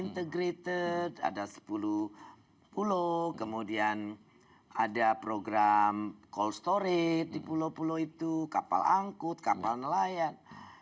integrated ada sepuluh pulau kemudian ada program call storage di pulau pulau itu kapal angkut kapal nelayan